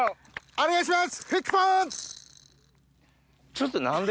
お願いします！